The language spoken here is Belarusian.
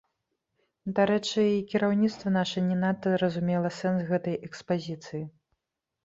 Дарэчы, і кіраўніцтва наша не надта разумела сэнс гэтай экспазіцыі.